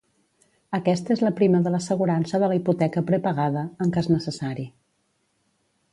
Aquesta és la prima de l'assegurança de la hipoteca prepagada, en cas necessari.